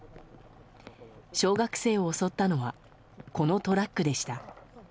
小学生を襲ったのはこのトラックでした。